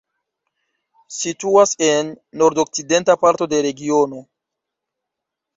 Situas en nordokcidenta parto de regiono.